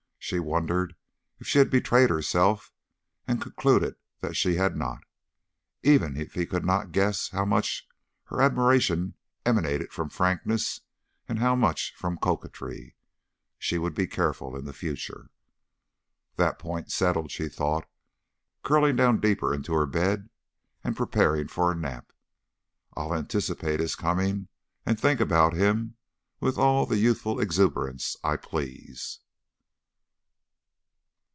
She wondered if she had betrayed herself, and concluded that she had not. Even he could not guess how much of her admiration emanated from frankness and how much from coquetry. She would be careful in the future. "That point settled," she thought, curling down deeper into her bed and preparing for a nap, "I'll anticipate his coming and think about him with all the youthful exuberance I please."